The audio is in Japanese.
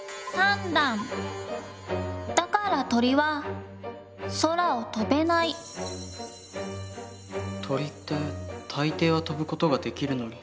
だから鳥は空を飛べない鳥って大抵は飛ぶ事ができるのに。